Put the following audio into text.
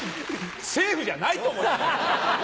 セーフじゃないと思うけど！